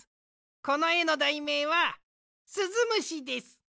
このえのだいめいは「すずむし」です。